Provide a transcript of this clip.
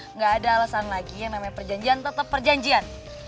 nggak ada alasan lagi yang namanya perjanjian tetap perjanjian